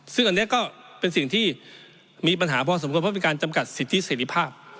ซึ่งอันนี้ก็เป็นสิ่งที่มีปัญหาพอสมควรเพราะเป็นการจำกัดสิทธิเสรีภาพ